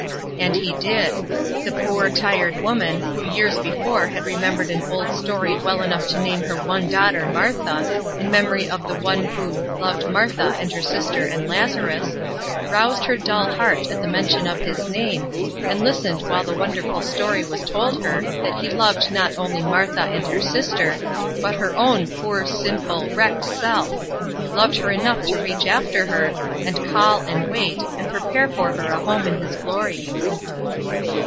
And He did. The poor, tired woman, who years before had remembered an old story well enough to name her one daughter "Martha," in memory of the one who "loved Martha and her sister and Lazarus," roused her dull heart at the mention of His name, and listened while the wonderful story was told her that He loved not only Martha and her sister, but her own poor, sinful, wrecked self; loved her enough to reach after her, and call and wait, and prepare for her a home in His glory.